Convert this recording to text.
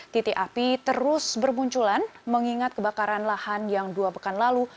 titik api terus bermunculan mengingat kebakaran lahan yang dua pekan lalu